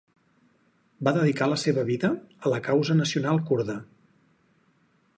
Va dedicar la seva vida a la causa nacional kurda.